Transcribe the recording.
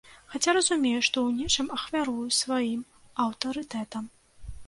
Хаця разумею, што ў нечым ахвярую сваім аўтарытэтам.